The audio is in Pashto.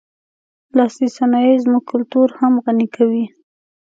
لاسي صنایع زموږ کلتور هم غني کوي.